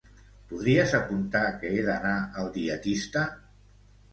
Podries apuntar que he d'anar al dietista?